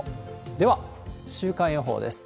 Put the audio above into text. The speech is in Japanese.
では、週間予報です。